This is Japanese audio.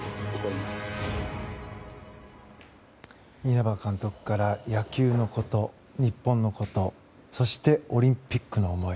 稲葉監督から、野球のこと日本のことそしてオリンピックの思い。